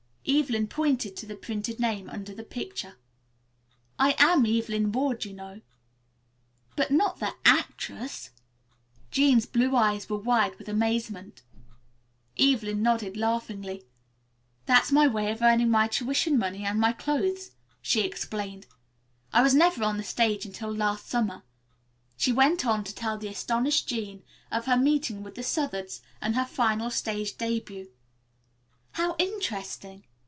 Evelyn pointed to the printed name under the picture. "I am Evelyn Ward, you know." "But not the actress?" Jean's blue eyes were wide with amazement. Evelyn nodded laughingly. "That's my way of earning my tuition money and my clothes," she explained. "I was never on the stage until last summer." She went on to tell the astonished Jean of her meeting with the Southards and her final stage début. "How interesting!"